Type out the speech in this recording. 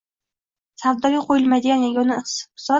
Savdoga qoʻyilmaydigan yagona bisot